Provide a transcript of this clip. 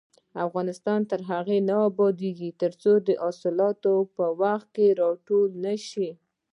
افغانستان تر هغو نه ابادیږي، ترڅو حاصلات په وخت راټول نشي.